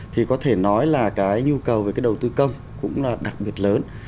thì có thể nói là nhu cầu về đầu tư công cũng là đặc biệt lớn